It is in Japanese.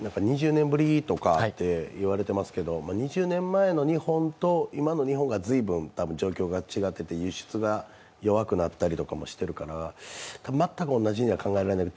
２０年ぶりとかと言われてますけど２０年前の日本と今の日本が随分状況が違っていて輸出が弱くなったりもしてるから、全く同じには考えられない。